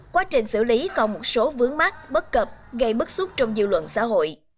quá trình xử lý còn một số vướng mắt bất cập gây bất xúc trong dư luận xã hội